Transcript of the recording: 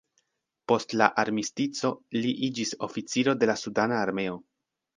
Post la armistico li iĝis oficiro de la sudana armeo.